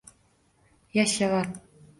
Yashavor!